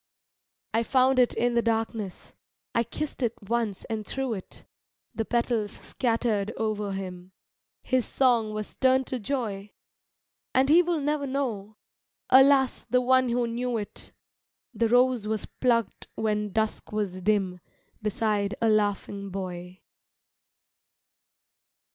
I found it in the darkness, I kissed it once and threw it, The petals scattered over him, His song was turned to joy; And he will never know Alas, the one who knew it! The rose was plucked when dusk was dim Beside a laughing boy.